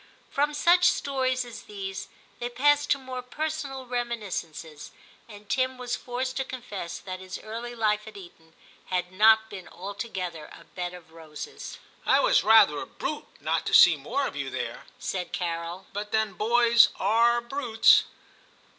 From such stories as these, they passed to more personal reminis cences, and Tim was forced to confess that his early life at Eton had not been altogether a bed of roses. * I was rather a brute not to see more of you there/ said Carol, 'but then boys are brutes.'